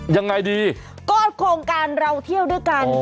ยังไงดีก็โครงการเราเที่ยวด้วยกัน